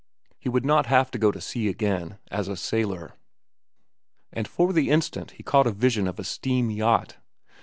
He would not have to go to sea again—as a sailor; and for the instant he caught a vision of a steam yacht.